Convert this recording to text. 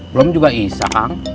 belom juga ica kang